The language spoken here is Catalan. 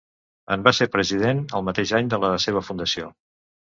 En va ser president el mateix any de la seva fundació.